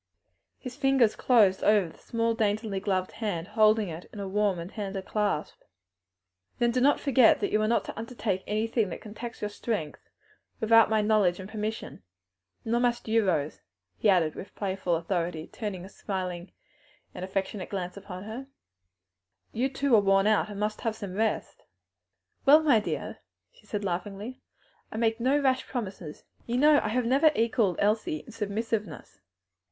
His fingers closed over the small, daintily gloved hand, holding it in a warm and tender clasp. "Then do not forget that you are not to undertake anything that can tax your strength, without my knowledge and permission. Nor must you, Rose," he added with playful authority, turning an affectionate, smiling glance upon her; "you too are worn out and must have rest." "Well, my dear," she said laughingly, "I make no rash promises. You know I never have equalled Elsie in submissiveness."